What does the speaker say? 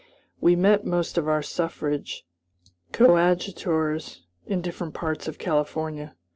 We met most of our suffrage coadjutors in different parts of California.